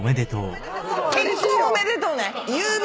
結婚おめでとうね。